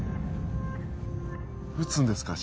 撃つんですか？